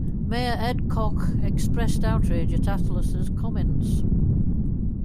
Mayor Ed Koch expressed outrage at Atlas's comments.